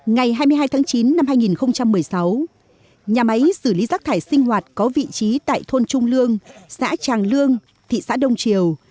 ngày hai mươi hai tháng chín năm hai nghìn một mươi sáu nhà máy xử lý rác thải sinh hoạt có vị trí tại thôn trung lương xã tràng lương thị xã đông triều